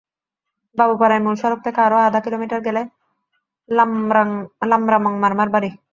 বাবুপাড়ায় মূল সড়ক থেকে আরও আধা কিলোমিটার গেলে হ্লাম্রামং মারমার বাড়ি।